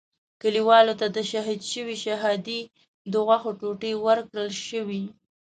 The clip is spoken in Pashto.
کلیوالو ته د شهید شوي شهادي د غوښو ټوټې ورکړل شوې.